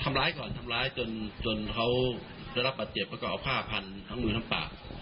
ทำร้ายก่อนทำร้ายจนจนเขาได้รับบาดเจ็บแล้วก็เอาผ้าพันทั้งมือทั้งปาก